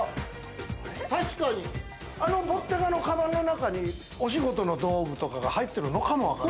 あのボッテガのカバンの中にお仕事の道具とかが入ってるのかもわからん。